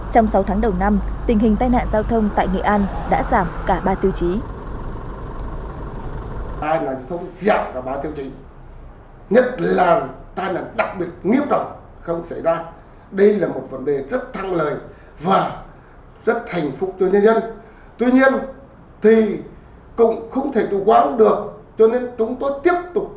trong sáu tháng đầu năm tình hình tai nạn giao thông tại nghệ an đã giảm cả ba tiêu chí